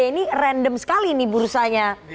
ini random sekali nih bursanya